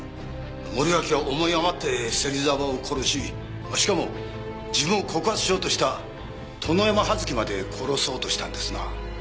森脇は思い余って芹沢を殺ししかも自分を告発しようとした殿山葉月まで殺そうとしたんですな。